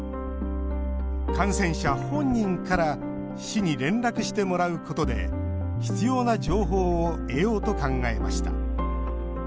感染者本人から市に連絡してもらうことで必要な情報を得ようと考えました。